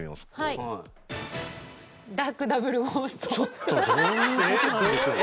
ちょっとどういう事なんでしょう？